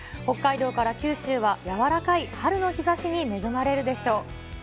北海道から九州は、柔らかい春の日ざしに恵まれるでしょう。